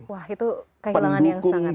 wah itu kehilangan yang sangat